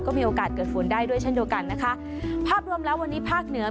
ก็มีโอกาสเกิดฝนได้ด้วยเช่นเดียวกันนะคะภาพรวมแล้ววันนี้ภาคเหนือ